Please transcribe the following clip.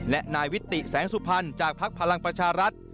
และนายวิติแสงสุพันธ์จากพักพลังประชารัฐ